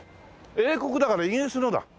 英国だからイギリスのだ。